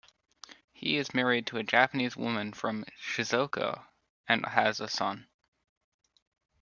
He is married to a Japanese woman from Shizuoka and has a son.